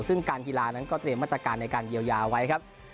ซึ่งการกีฬานั้นก็เตรียมมาตรการในการเยียวยาไว้ครับ